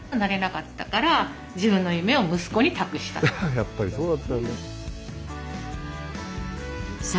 やっぱりそうだったんだ。